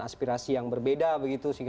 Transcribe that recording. aspirasi yang berbeda sehingga